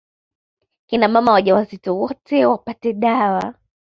Kina mama wajawazito wote wapate dawa